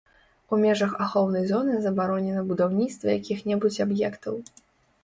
У межах ахоўнай зоны забаронена будаўніцтва якіх-небудзь аб'ектаў.